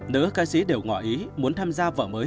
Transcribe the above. nữ ca sĩ đều ngỏ ý muốn tham gia vở mới